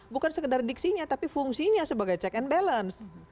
bukan sekedar diksinya tapi fungsinya sebagai check and balance